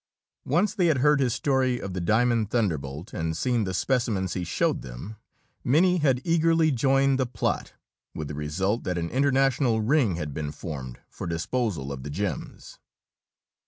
Once they had heard his story of the Diamond Thunderbolt and seen the specimens he showed them, many had eagerly joined the plot, with the result that an international ring had been formed for disposal of the gems.